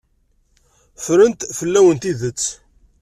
Ffrent fell-awen tidet.